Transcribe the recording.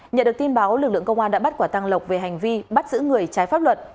nhận được tin báo lực lượng công an đã bắt quả tăng lộc về hành vi bắt giữ người trái pháp luật